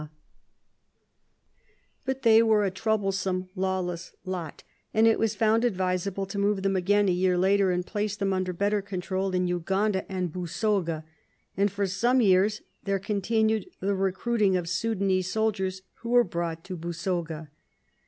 1 6 RESEARCH DEFENCE SOCIETY But they were a troublesome, lawless lot, and it was found advisable to move them again a year later, and place them under better control in Uganda and Busoga, and for some years there continued the recruiting of Sudanese soldiers who were brought to Busoga.